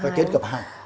phải kết hợp hai